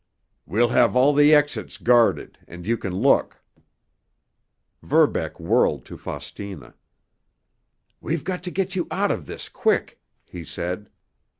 "We'll have all the exits guarded, and you can look——" Verbeck whirled to Faustina. "We've got to get out of this quick!" he said.